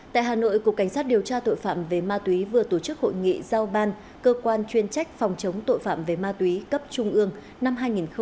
tại hà nội cục cảnh sát điều tra tội phạm về ma túy vừa tổ chức hội nghị giao ban cơ quan chuyên trách phòng chống tội phạm về ma túy cấp trung ương năm hai nghìn hai mươi